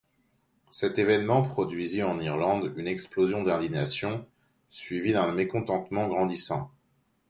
Cet événement produisit en Irlande une explosion d'indignation, suivie d'un mécontentement grandissant.